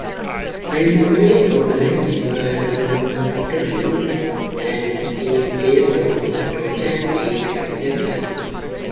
Recently, a very simple algorithm was introduced that is based on "stochastic acceptance".